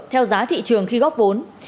theo giá thị trường khi góp vốn